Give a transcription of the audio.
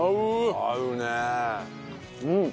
合うね。